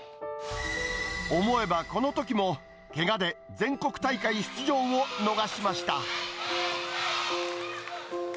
思えばこのときも、けがで全国大会出場を逃しました。